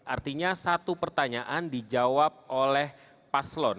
artinya satu pertanyaan dijawab oleh paslon